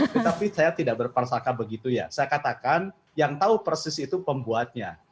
tetapi saya tidak berpersaka begitu ya saya katakan yang tahu persis itu pembuatnya